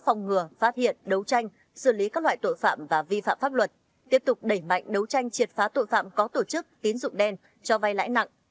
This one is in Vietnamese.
phòng ngừa phát hiện đấu tranh xử lý các loại tội phạm và vi phạm pháp luật tiếp tục đẩy mạnh đấu tranh triệt phá tội phạm có tổ chức tín dụng đen cho vay lãi nặng